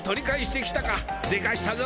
でかしたぞ